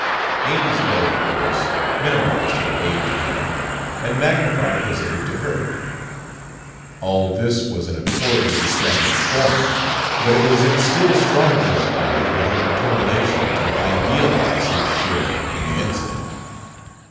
Amy's note of course minimized her aid to him and magnified his aid to her. All this was in accord with established form, but it was in still stronger accord with her determination to idealize his share in the incident.